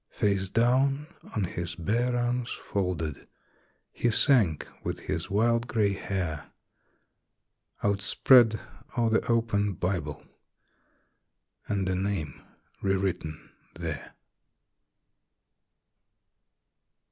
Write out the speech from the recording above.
Face down on his bare arms folded he sank with his wild grey hair Outspread o'er the open Bible and a name re written there.